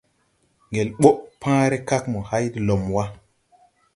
Ŋgel ɓɔʼ pããre kag mo hay de lɔm wà.